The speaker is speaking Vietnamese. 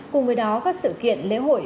cùng với đó các sự kiện lễ hội